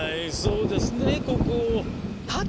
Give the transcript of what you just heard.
そうですね国王。